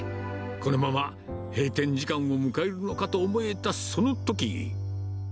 このまま閉店時間を迎えるのかと思えたそのとき。